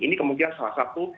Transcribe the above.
ini kemungkinan salah satu